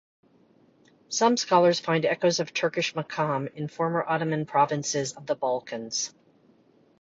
Some scholars find echoes of Turkish makam in former Ottoman provinces of the Balkans.